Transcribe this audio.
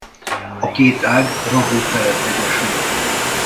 A két ág Rahó felett egyesül.